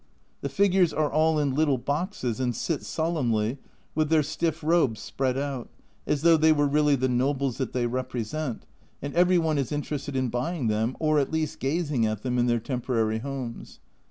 The figures are all in little boxes, and sit solemnly, with their stiff robes spread out, as though they were really the nobles that they represent, and every one is interested in buying them, or at least gazing at them in their temporary homes.